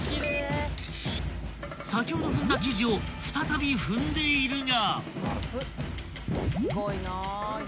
［先ほど踏んだ生地を再び踏んでいるが］